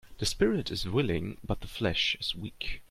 The spirit is willing but the flesh is weak.